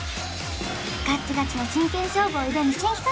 ガッチガチの真剣勝負を挑む新企画